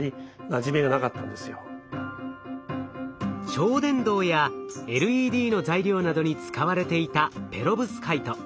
超電導やＬＥＤの材料などに使われていたペロブスカイト。